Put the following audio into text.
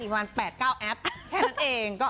ประมาณ๘๙แอปแค่นั้นเอง